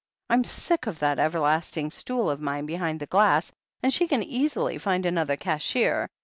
Fm sick of that everlasting stool of mine behind the glass, and she can easily find another cashier.